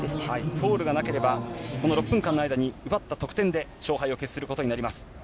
フォールがなければこの６分間の間に奪った点数だけで争うことになります。